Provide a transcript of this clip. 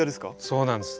そうなんです。